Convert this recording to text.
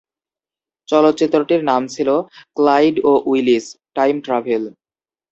চলচ্চিত্রটির নাম ছিল "ক্লাইড ও উইলিস: টাইম ট্রাভেল"।